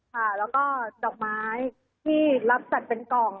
ค่ะแล้วก็ดอกไม้ที่รับจัดเป็นกล่อง